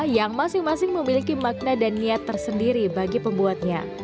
yang masing masing memiliki makna dan niat tersendiri bagi pembuatnya